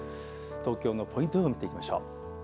東京のポイント予報を見ていきましょう。